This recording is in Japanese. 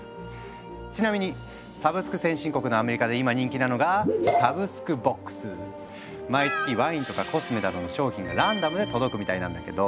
ちなみにサブスク先進国のアメリカで今人気なのが毎月ワインとかコスメなどの商品がランダムで届くみたいなんだけど。